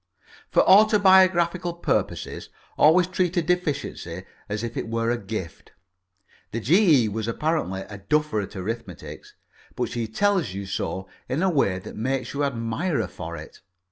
For autobiographical purposes always treat a deficiency as if it were a gift. The G.E. was apparently a duffer at arithmetic, but she tells you so in a way that makes you admire her for it.